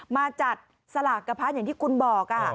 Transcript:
มาจัดสลากกระพะอย่างที่คุณบอก